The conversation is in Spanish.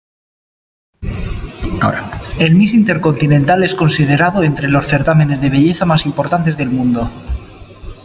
El Miss Intercontinental es considerado entre los certámenes de belleza más importantes del mundo.